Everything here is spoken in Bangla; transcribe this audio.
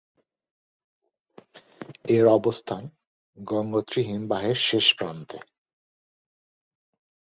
এর অবস্থান গঙ্গোত্রী হিমবাহের শেষ প্রান্তে।